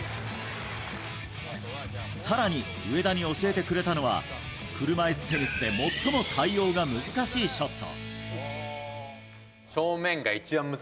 更に、上田に教えてくれたのは車いすテニスで最も対応が難しいショット。